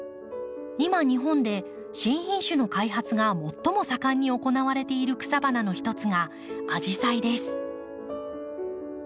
今日本で新品種の開発が最も盛んに行われている草花の一つがアジサイです。